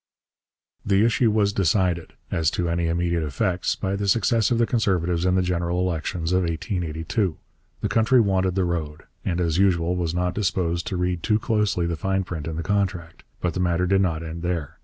The issue was decided, as to any immediate effects, by the success of the Conservatives in the general elections of 1882. The country wanted the road, and as usual was not disposed to read too closely the fine print in the contract. But the matter did not end there.